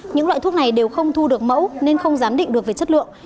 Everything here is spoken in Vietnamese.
những loại thuốc này đều không thu được mẫu nên không giám định được về chất lượng